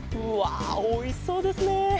うわおいしそうですね。